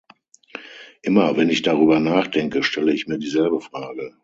Immer, wenn ich darüber nachdenke, stelle ich mir dieselbe Frage.